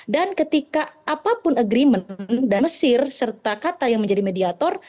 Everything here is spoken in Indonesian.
dan ketika apapun agreement dari mesir serta qatar yang menjadi mediator